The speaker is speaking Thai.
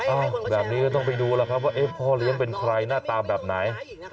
แบบนี้ก็ต้องไปดูแล้วครับว่าพ่อเลี้ยงเป็นใครหน้าตาแบบไหน